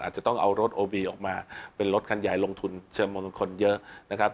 จะต้องเอารถโอบีออกมาเป็นรถคันใหญ่ลงทุนเชิงมงคลเยอะนะครับ